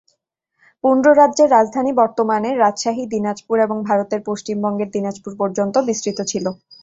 পুণ্ড্ররাজ্যের রাজধানী বর্তমানের রাজশাহী, দিনাজপুর এবং ভারতের পশ্চিমবঙ্গের দিনাজপুর পর্যন্ত বিস্তৃত ছিল।